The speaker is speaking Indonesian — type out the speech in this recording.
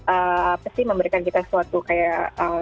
apa sih memberikan kita suatu kayak